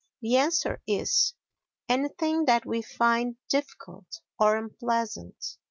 the answer is, "Anything that we find difficult or unpleasant."